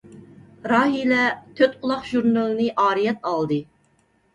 راھىلە «تۆتقۇلاق ژۇرنىلى» نى ئارىيەت ئالدى.